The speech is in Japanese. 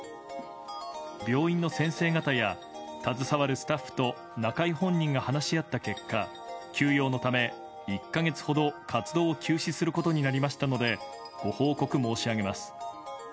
病院の先生方や携わるスタッフと中居本人が話し合った結果、休養のため、１か月ほど活動を休止することになりましたのでご報告申し上げます。